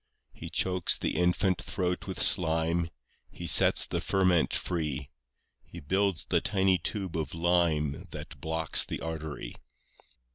8 He chokes the infant throat with slime, He sets the ferment free; He builds the tiny tube of lime That blocks the artery.